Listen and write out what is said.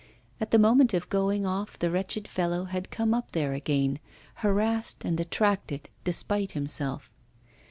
At the moment of going off the wretched fellow had come up there again, harassed and attracted despite himself.